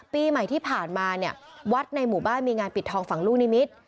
ปีใหม่ที่ผ่านมาเนี่ยวัดในหมู่บ้านมีงานปิดทองฝั่งลูกนิมิตร